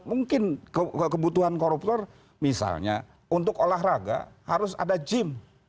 mungkin kebutuhan koruptor misalnya untuk olahraga harus ada gym